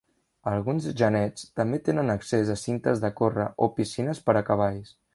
Alguns genets també tenen accés a cintes de córrer o piscines per a cavalls.